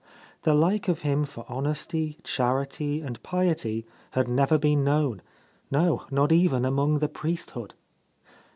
The like of him for honesty, charity, and piety had never been known — no, not even among the priesthood.